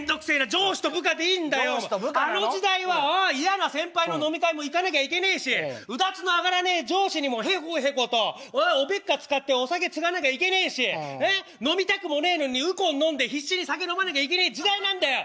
あの時代は嫌な先輩の飲み会も行かなきゃいけねえしうだつの上がらねえ上司にもへこへことおべっか使ってお酒つがなきゃいけねえし飲みたくもねえのにウコン飲んで必死に酒飲まなきゃいけねえ時代なんだよ！